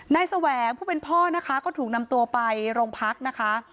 แสวงผู้เป็นพ่อนะคะก็ถูกนำตัวไปโรงพักนะคะ